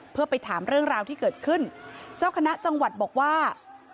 เพื่อไปถามเรื่องราวที่เกิดขึ้นเจ้าคณะจังหวัดบอกว่า